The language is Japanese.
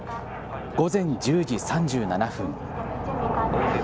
午前１０時３７分。